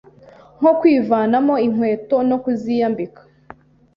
nko kwivanamo inkweto no kuziyambika;